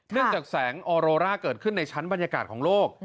จากแสงออโรร่าเกิดขึ้นในชั้นบรรยากาศของโลก